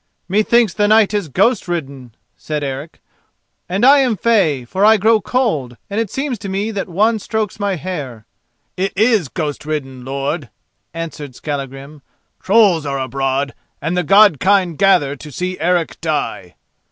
"Methinks the night is ghost ridden," said Eric, "and I am fey, for I grow cold, and it seems to me that one strokes my hair." "It is ghost ridden, lord," answered Skallagrim. "Trolls are abroad, and the God kind gather to see Eric die."